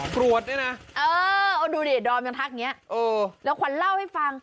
กรวดเนี่ยนะเออดูดิดอมยังทักเงี้ยแล้วขอเล่าให้ฟัง